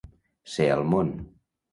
Ser al món.